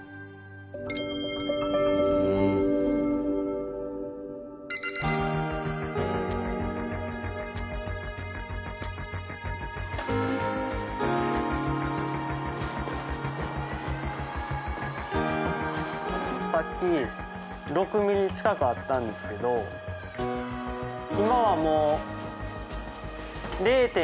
うーん！さっき６ミリ近くあったんですけど今はもう。